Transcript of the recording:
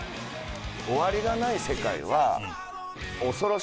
終わりがない世界は恐ろしい。